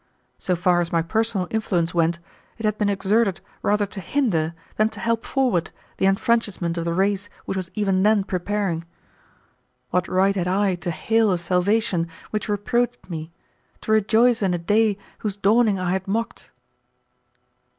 So far as my personal influence went, it had been exerted rather to hinder than to help forward the enfranchisement of the race which was even then preparing. What right had I to hail a salvation which reproached me, to rejoice in a day whose dawning I had mocked?